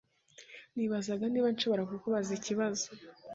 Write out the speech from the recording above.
Nibazaga niba nshobora kukubaza ikibazo.